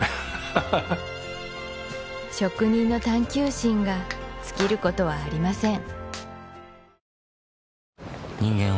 ハハハッ職人の探究心が尽きることはありません